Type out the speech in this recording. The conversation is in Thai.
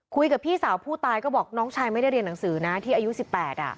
พี่สาวผู้ตายก็บอกน้องชายไม่ได้เรียนหนังสือนะที่อายุ๑๘อ่ะ